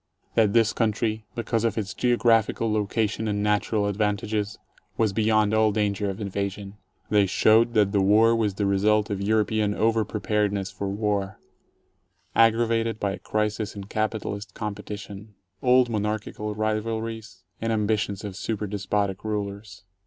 That this country, because of its geographical location and natural advantages, was beyond all danger of invasion. They showed that the War was the result of European over preparedness for war, aggravated by a crisis in capitalist competition, old mon archical rivalries and ambitions of super despotic rulers.